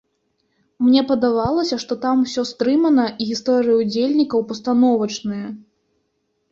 Мне падавалася, што там усё стрымана і гісторыі ўдзельнікаў пастановачныя.